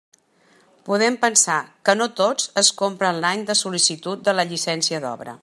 Podem pensar que no tots es compren l'any de sol·licitud de la llicència d'obra.